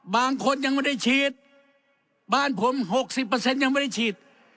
บางคนยังไม่ได้ฉีดบ้านผมหกสิบเปอร์เซ็นต์ยังไม่ได้ฉีด